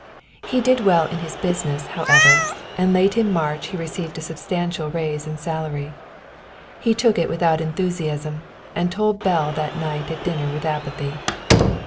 He did well in his business, however, and late in March he received a substantial raise in salary. He took it without enthusiasm, and told Belle that night at dinner with apathy.